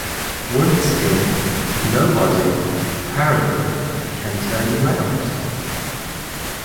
Once in, nobody, apparently, can turn you out.